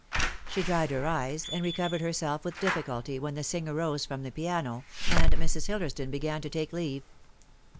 She dried her eyes and recovered herself with difficulty when the singer rose from the piano and Mrs. Hillersdon began to take leave.